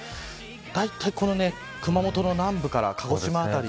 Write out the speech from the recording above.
だいたいこの熊本の南部から鹿児島辺り。